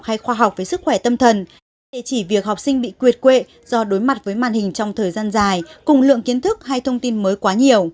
khoa học với sức khỏe tâm thần có thể chỉ việc học sinh bị quyệt quệ do đối mặt với màn hình trong thời gian dài cùng lượng kiến thức hay thông tin mới quá nhiều